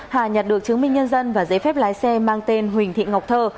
hà nh được chứng minh nhân dân và giấy phép lái xe mang tên huỳnh thị ngọc thơ